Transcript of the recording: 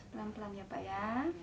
pelan pelan ya pak ya